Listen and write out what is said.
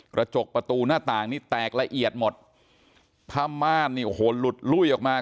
กระจกประตูหน้าต่างนี่แตกละเอียดหมดผ้าม่านนี่โอ้โหหลุดลุ้ยออกมา